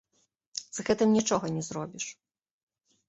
З гэтым нічога не зробіш.